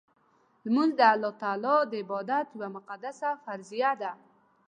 لمونځ د الله تعالی د عبادت یوه مقدسه فریضه ده.